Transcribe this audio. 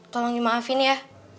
tolong di maafin ya